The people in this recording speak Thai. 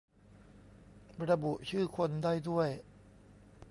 ระบุชื่อคนได้ด้วย